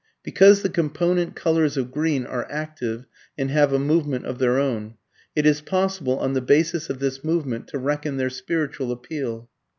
Because the component colours of green are active and have a movement of their own, it is possible, on the basis of this movement, to reckon their spiritual appeal.